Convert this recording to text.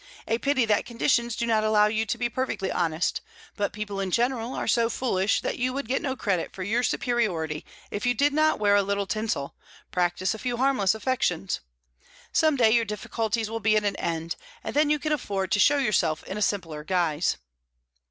A pity that conditions do not allow you to be perfectly honest; but people in general are so foolish that you would get no credit for your superiority if you did not wear a little tinsel, practise a few harmless affectations. Some day your difficulties will be at an end, and then you can afford to show yourself in a simpler guise."